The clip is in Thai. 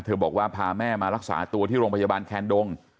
บอกว่าพาแม่มารักษาตัวที่โรงพยาบาลแคนดง